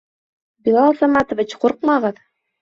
Билал Саматович, ҡурҡмағыҙ!